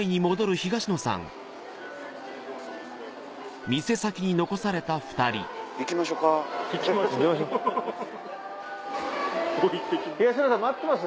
東野さん待ってます。